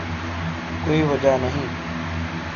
کوئی وجہ نہیں ہے۔